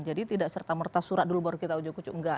jadi tidak serta merta surat dulu baru kita ujuk ucuk enggak